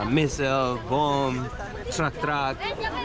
misil bom truk truk